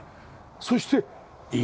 そして岩。